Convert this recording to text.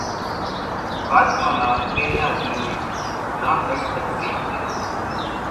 ۿاچمان نا پۿريا ۮي نين رانڌڻِ سچ ڪي سي